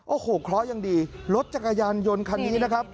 โอ้โหเคราะห์ยังดีรถจักรยานยนต์คันนี้นะครับ